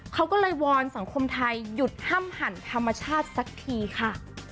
เขาก็เลยวอนสังคมไทยหยุดห้ามหั่นธรรมชาติสักทีค่ะ